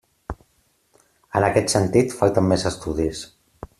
En aquest sentit, falten més estudis.